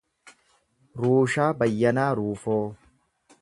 Ruushaa Bayyanaa Ruufoo